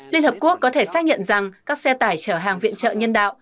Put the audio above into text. liên hợp quốc có thể xác nhận rằng các xe tải chở hàng viện trợ nhân đạo